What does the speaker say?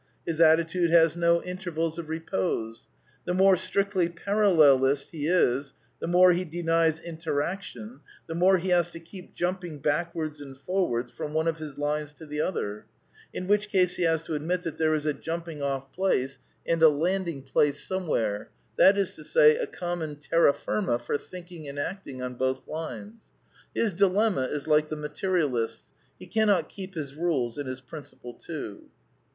His attitude has no intervals of re pose. The more strictly parallelist he is, the more he denies interaction, the more he has to keep jumping back wards and forwards from one of his lines to the other ; in which case he has to admit that there is a jumping off place and a landing place somewhere, that is to say, a common terra firma for thinking and acting on both lines. His dilemma is like the Materialist's. He cannot keep his rules and his principle too.